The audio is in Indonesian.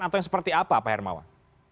atau seperti apa pak hermawan